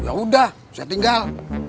ya udah saya tinggal